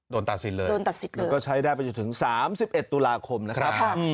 โดนตัดสินเลยโดนตัดสินเลยแล้วก็ใช้ได้ไปจนถึง๓๑ตุลาคมนะครับค่ะ